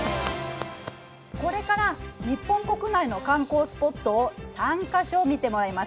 これから日本国内の観光スポットを３か所見てもらいます。